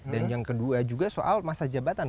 yang kedua juga soal masa jabatan